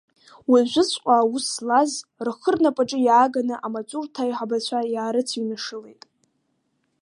Уажәыҵәҟьа аус злаз, рхы рнапаҿы иааганы, амаҵурҭа аиҳабацәа иаарыцыҩнашылеит.